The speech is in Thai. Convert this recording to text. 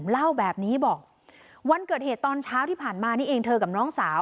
เล่าแบบนี้บอกวันเกิดเหตุตอนเช้าที่ผ่านมานี่เองเธอกับน้องสาว